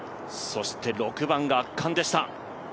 そして６番が圧巻でした。